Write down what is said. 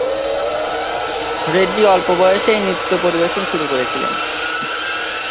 রেড্ডি অল্প বয়সেই নৃত্য পরিবেশন শুরু করেছিলেন।